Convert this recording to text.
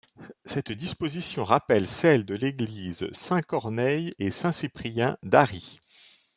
Cette disposition rappelle celle de l’Église Saint-Corneille-et-Saint-Cyprien d'Hary.